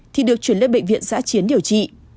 thì được chuyển lên bệnh viện giã chiến điều trị